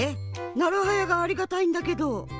なるはやがありがたいんだけど。